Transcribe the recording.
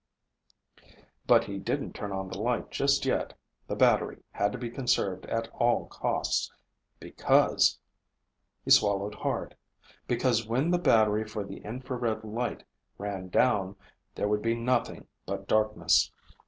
But he didn't turn on the light just yet. The battery had to be conserved at all costs. Because.... He swallowed hard. Because when the battery for the infrared light ran down, there would be nothing but darkness.